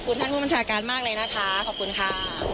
คุณท่านผู้บัญชาการมากเลยนะคะขอบคุณค่ะ